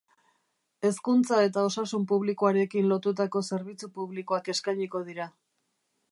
Hezkuntza eta osasun publikoarekin lotutako zerbitzu publikoak eskainiko dira.